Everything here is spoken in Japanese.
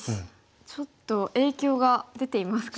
ちょっと影響が出ていますか？